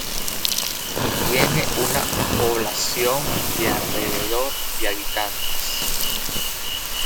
Tiene una población de alrededor de habitantes.